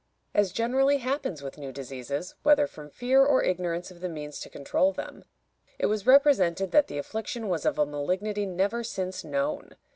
As generally happens with new diseases, whether from fear or ignorance of the means to control them, it was represented that the affliction was of a malignity never since known.